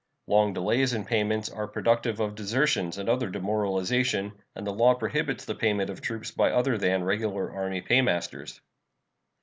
Long delays in payments are productive of desertions and other demoralization, and the law prohibits the payment of troops by other than regular army paymasters.